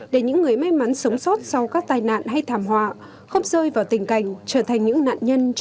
để những người may mắn sống sót sau các tai nạn hay thảm họa không rơi vào tình cảnh trở thành những nạn nhân trong